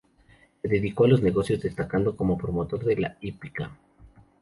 Se dedicó a los negocios, destacando como promotor de la hípica.